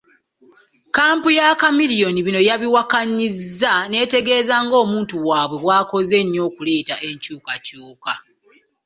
Kkampu ya Chameleone bino yabiwakanyizza n'etegeeza ng'omuntu waabwe bw'akoze ennyo okuleeta enkyukakyuka.